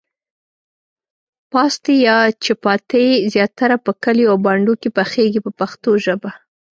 پاستي یا چپاتي زیاتره په کلیو او بانډو کې پخیږي په پښتو ژبه.